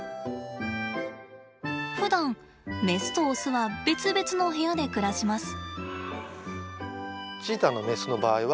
ふだんメスとオスは別々の部屋で暮らします。